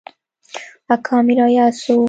اکا مې راياد سو.